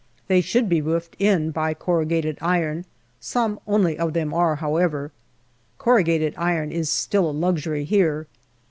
They should be roofed in by corrugated iron ; some only of them are, however. Corru gated iron is still a luxury here.